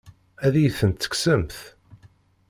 Ad iyi-ten-tekksemt?